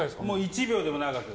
１秒でも長く！